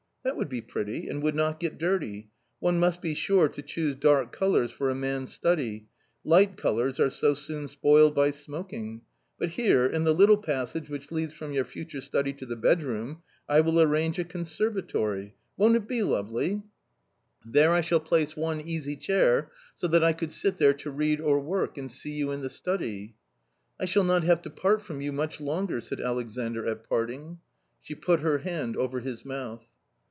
"That would be pretty and would not get dirty; one must be sure to choose dark colours for a man's study; light colours are so soon spoiled by smoking. But here, in the little passage which leads from your future study to the bedroom, I will arrange a conservatory — won't it be lovely ? 182 A COMMON STORY There I shall place one easy chair, so that I could sit there to read or work and see you in the study." "I shall not have to part from you much longer/' said Alexandr at parting. She put her hand over his mouth.